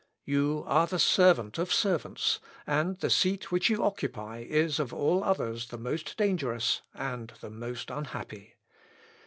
You are the servant of servants, and the seat which you occupy is of all others the most dangerous, and the most unhappy.